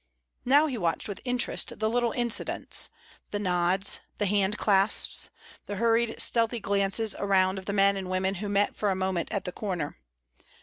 Now he watched with interest the little incidents; the nods, the hand clasps, the hurried stealthy glances around of the men and women who met for a moment at the corner.